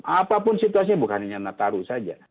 apapun situasinya bukan hanya nataru saja